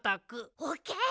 オッケー。